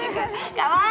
かわいい！